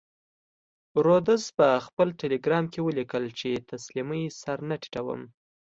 رودز په خپل ټیلګرام کې ولیکل چې تسلیمۍ سر نه ټیټوم.